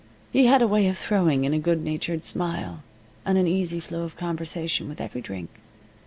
He had a way of throwing in a good natured smile, and an easy flow of conversation with every drink.